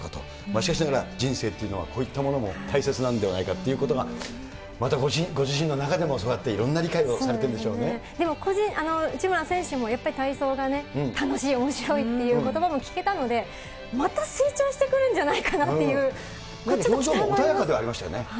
しかしながら、人生っていうのはこういったものも大切なんではないかっていうのは、またご自身の中でもそうやっていろんな理解をされているんでしょでも、内村選手もやっぱり体操が楽しい、おもしろいっていうことばも聞けたので、また成長してくるんじゃないかなっていう、こっちもちょっと期待表情も穏やかではありました